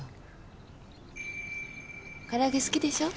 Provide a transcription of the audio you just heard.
空揚げ好きでしょ？